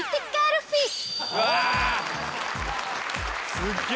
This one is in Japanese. すっげえ！